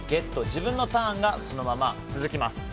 自分のターンがそのまま続きます。